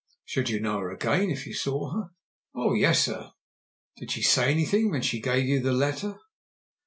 "Should you know her again if you saw her?" "Oh yes, sir." "Did she say anything when she gave you the letter?"